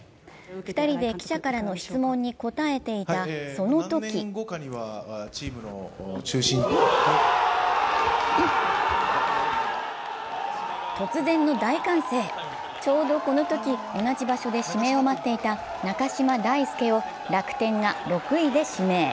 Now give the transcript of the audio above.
２人で記者からの質問に答えていたそのとき突然の大歓声、ちょうどこのとき、同じ場所で指名を待っていた中島大輔を楽天が６位で指名。